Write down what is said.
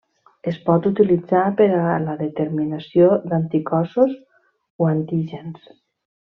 Es pot utilitzar per a la determinació d'anticossos o antígens.